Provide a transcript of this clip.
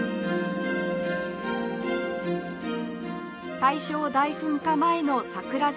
大正大噴火前の桜島の地図。